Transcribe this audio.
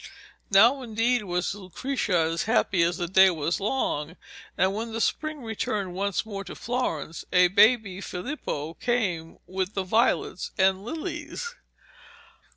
Now indeed was Lucrezia as happy as the day was long, and when the spring returned once more to Florence, a baby Filippo came with the violets and lilies.